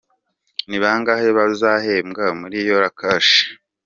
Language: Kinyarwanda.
Ni bangahe bazahembwa muri “Yora Cash”?.